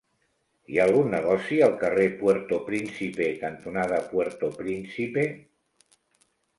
Hi ha algun negoci al carrer Puerto Príncipe cantonada Puerto Príncipe?